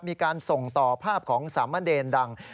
มีการส่งต่อภาพของสามะเนรดัง